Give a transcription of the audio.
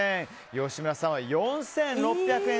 吉村さんは４６００円。